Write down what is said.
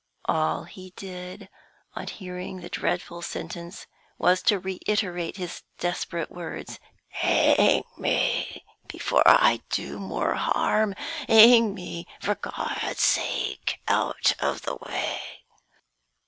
All he did, on hearing the dreadful sentence, was to reiterate his desperate words: "Hang me before I do more harm! Hang me, for God's sake, out of the way!"